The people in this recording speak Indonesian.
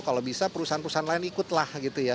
kalau bisa perusahaan perusahaan lain ikutlah